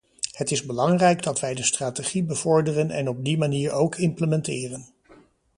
Het is belangrijk dat wij de strategie bevorderen en op die manier ook implementeren.